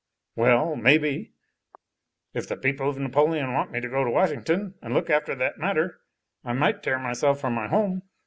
"Well, maybe. If the people of Napoleon want me to go to Washington, and look after that matter, I might tear myself from my home.